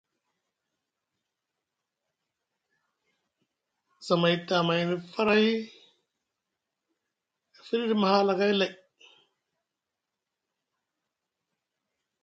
Zamay tamayni faray fiɗiɗi mahalakay lay.